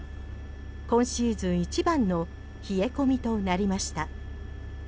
今シーズン一番の冷え込みとなりました。